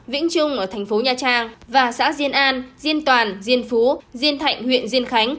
vĩnh trung ở thành phố nha trang và xã diên an diên toàn diên phú diên thạnh huyện diên khánh